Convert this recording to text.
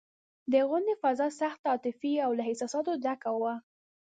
د غونډې فضا سخته عاطفي او له احساساتو ډکه وه.